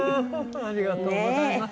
ありがとうございます。